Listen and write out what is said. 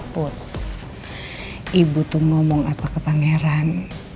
put ibu tuh ngomong apa ke pangeran